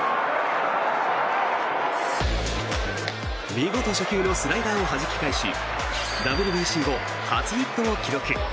見事初球のスライダーをはじき返しＷＢＣ後初ヒットを記録。